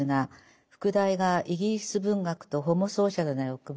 副題が「イギリス文学とホモソーシャルな欲望」。